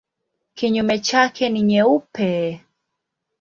Kinyume chake ni nyeupe.